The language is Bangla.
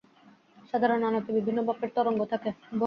সাধারণ আলোতে বিভিন্ন মাপের তরঙ্গ থাকে।